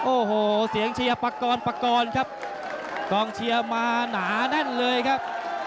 โอ้โหเสียงเชียร์ปากรปากรครับกองเชียร์มาหนาแน่นเลยครับ